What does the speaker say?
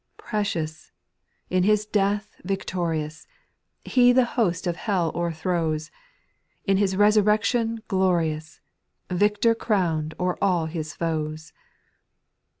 4. Precious — in His death victorious, He the host of hell overthrows ; In Ilis resurrection glorious, Victor crown'd o'er all His foes.